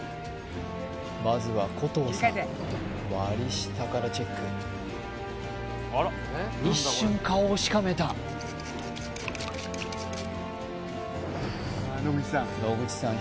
まずは古藤さん割り下からチェック一瞬顔をしかめた野口さん